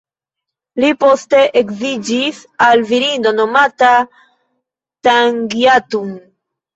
Li poste edziĝis al virino nomata Tangiatun.